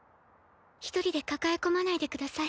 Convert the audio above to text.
一人で抱え込まないでください。